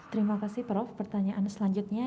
terima kasih prof pertanyaan selanjutnya